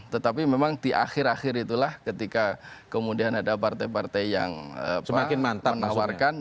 tetapi memang di akhir akhir itulah ketika kemudian ada partai partai yang menawarkan